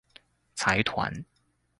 財團